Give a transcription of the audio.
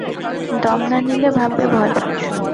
দম না নিলে ভাববে ভয় পাচ্ছো।